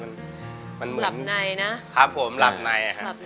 มันเหมือนหลับในนะครับผมหลับในครับ